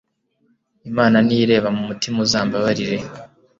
imana niyo ireba m'umutima, uzambabarire